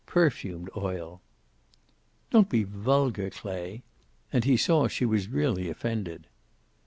Perfumed oil." "Don't be vulgar, Clay." And he saw she was really offended.